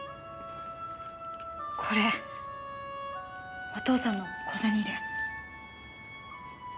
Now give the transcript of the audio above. これお父さんの小銭入れ。